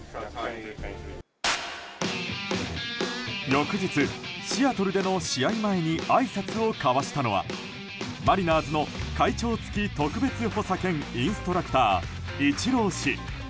翌日、シアトルでの試合前にあいさつを交わしたのはマリナーズの会長付特別補佐兼インストラクター、イチロー氏。